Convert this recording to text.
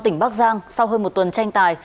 tỉnh bắc giang sau hơn một tuần tranh tài